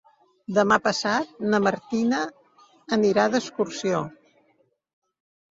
Demà passat na Martina anirà d'excursió.